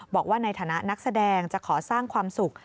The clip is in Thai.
บอกว่าในฐานะนักแสดงจะขอสร้างความสุข